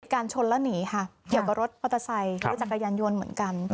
ชนแล้วหนีค่ะเกี่ยวกับรถมอเตอร์ไซค์รถจักรยานยนต์เหมือนกัน